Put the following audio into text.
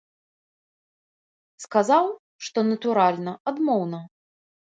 Сказаў, што, натуральна, адмоўна.